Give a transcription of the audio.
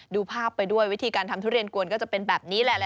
ดูภาพไปด้วยวิธีการทำทุเรียนกวนก็จะเป็นแบบนี้แหละ